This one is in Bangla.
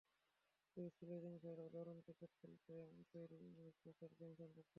তবে স্লেজিং ছাড়াও দারুণ ক্রিকেট খেলতে তৈরি ইংলিশ পেসার জেমস অ্যান্ডারসন।